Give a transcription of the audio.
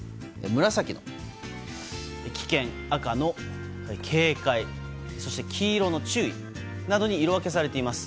紫の危険、赤の警戒そして黄色の注意などに色分けされています。